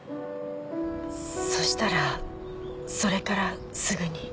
そしたらそれからすぐに。